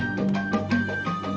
ikut kami ke kantor